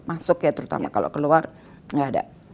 masuk ya terutama kalau keluar nggak ada